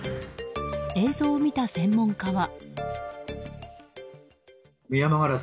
映像を見た専門家は。